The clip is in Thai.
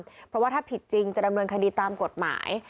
เพราะว่าถ้าผิดจริงจะดำเนินคดีตามกฎหมาย